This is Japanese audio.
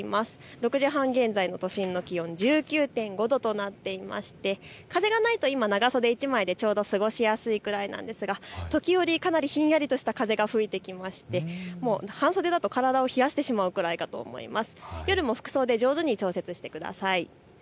６時半現在の都心の気温は１９．５度となっていまして風がないと今、長袖１枚でちょうど過ごしやすいくらいなんですが、時折、かなりひんやりとした風が吹いてきまして半袖だと体を冷やしてしまうくらいかと思います。